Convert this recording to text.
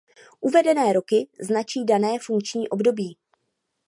Uvedené roky značí dané funkční období.